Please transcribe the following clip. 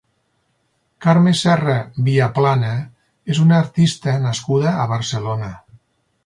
Carme Serra Viaplana és una artista nascuda a Barcelona.